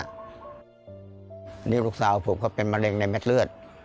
นี่ลูกสาวผมก็เป็นมะเร็งในเม็ดเลือด